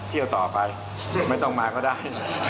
เที่ยวต่อไปไม่ต้องมาก็ได้